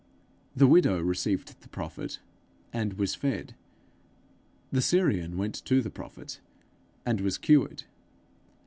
The widow received the prophet, and was fed; the Syrian went to the prophet, and was cured.